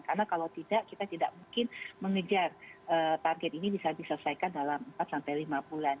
karena kalau tidak kita tidak mungkin mengejar target ini bisa diselesaikan dalam empat sampai lima bulan